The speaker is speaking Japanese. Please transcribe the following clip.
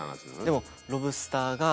でも。